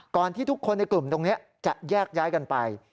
ที่ทุกคนในกลุ่มตรงนี้จะแยกย้ายกันไป